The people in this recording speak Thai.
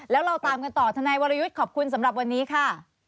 แล้วเราตามกันต่อทนายวรยุทธ์ขอบคุณสำหรับวันนี้ค่ะ